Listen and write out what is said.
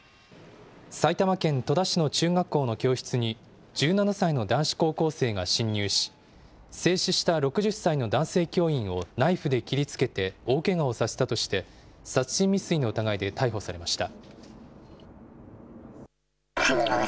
埼玉県戸田市の中学校の教室に１７歳の男子高校生が侵入し、制止した６０歳の男性教員をナイフで切りつけて大けがをさせたとして、殺人未遂の疑いで逮捕されました。